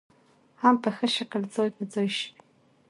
هم په ښه شکل ځاى په ځاى شوې .